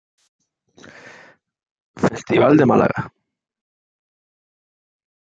Festival de Málaga